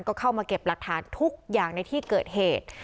ก็เข้ามาเก็บหลักฐานทุกอย่างในที่เกิดเหตุ